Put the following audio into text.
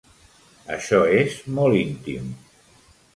Això és molt íntim.